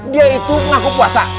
dia itu ngaku puasa